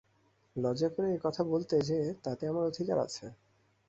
লজ্জা করে এ কথা বলতে যে, তাতে আমার অধিকার আছে।